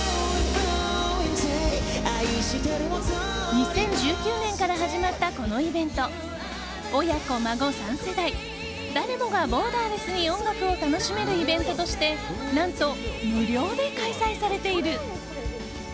２０１９年から始まったこのイベント親子孫３世代誰もがボーダーレスに音楽を楽しめるイベントとして何と無料で開催されている。